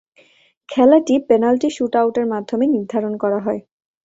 খেলাটি penalty shoot আউটের মাধ্যমে নির্ধারণ করা হয়।